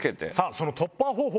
その突破方法